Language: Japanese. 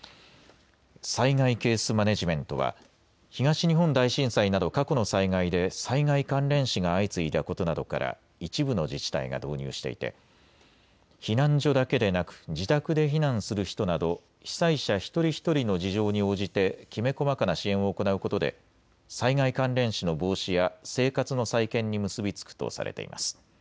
災害ケースマネジメントは東日本大震災など過去の災害で災害関連死が相次いだことなどから一部の自治体が導入していて避難所だけでなく自宅で避難する人など被災者一人一人の事情に応じてきめ細かな支援を行うことで災害関連死の防止や生活の再建に結び付くとされています。